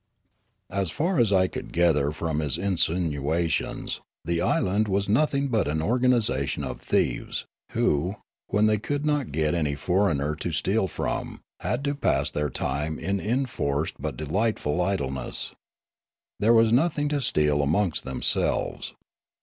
As far as I could gather from his insinuations, the island was nothing but an organisation of thieves, who, when they could not get any foreigner to steal from, had to pass their time in enforced but delightful idle ness. There was nothing to steal amongst themselves.